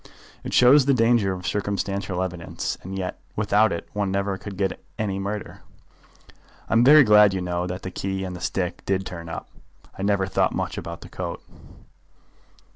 "It shows the danger of circumstantial evidence, and yet without it one never could get at any murder. I'm very glad, you know, that the key and the stick did turn up. I never thought much about the coat."